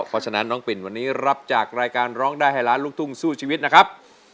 เพราะฉะนั้นน้องปิ่นวันนี้รับจากรายการร้องได้ให้ล้านลูกทุ่งสู้ชีวิตนะครับ